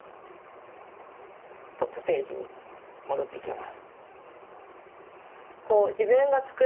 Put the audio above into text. トップページに戻ってきます。